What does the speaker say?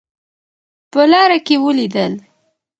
په لاره کې ولیدل.